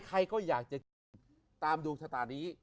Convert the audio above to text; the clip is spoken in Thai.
ใครก็อยากจะกินตามดวงชะตานี้